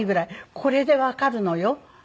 これでわかるのよ。